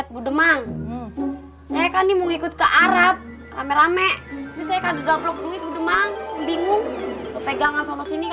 budemang saya kan nih mau ikut ke arab rame rame bisa gampang bingung pegangan